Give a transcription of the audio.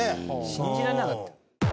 信じられなかった。